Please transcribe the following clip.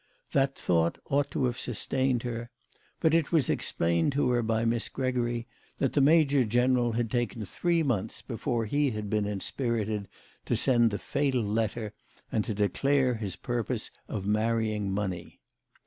That thought ought to have sustained her ; but it was explained to her by Miss Gregory that the major general had taken three months before he had been inspirited to send the fatal letter, and to declare his purpose of marrying money.